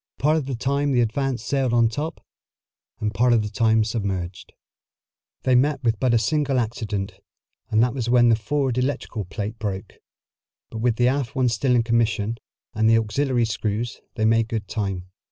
Part of the time the Advance sailed on the top, and part of the time submerged. They met with but a single accident, and that was when the forward electrical plate broke. But with the aft one still in commission, and the auxiliary screws, they made good time.